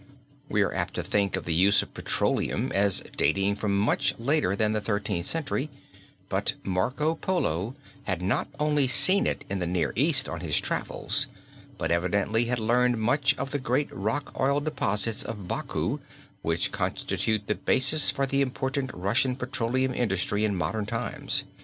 We are apt to think of the use of petroleum as dating from much later than the Thirteenth Century, but Marco Polo had not only seen it in the Near East on his travels, but evidently had learned much of the great rock oil deposits at Baku which constitute the basis for the important Russian petroleum industry in modern times.